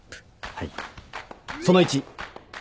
はい。